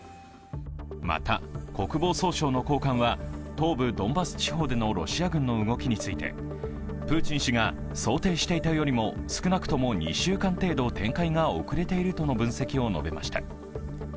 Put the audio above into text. また、国防総省の高官は東部ドンバス地方でのロシア軍の動きについてプーチン氏が想定していたよりも、少なくとも２週間程度展開が遅れているとの分析を述べました。